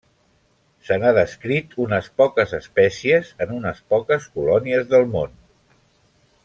Se n'ha descrit unes poques espècies en unes poques colònies del món.